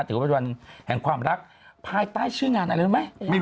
ถือว่าเป็นวันแห่งความรักภายใต้ชื่องานอะไรรู้ไหม